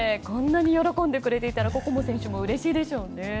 こんなに喜んでくれていたら村瀬選手もうれしいでしょうね。